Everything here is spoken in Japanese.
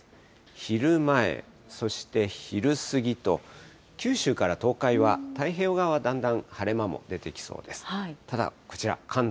昼前、そして昼過ぎと、九州から東海は、太平洋側はだんだん晴れ間も出てきそうです。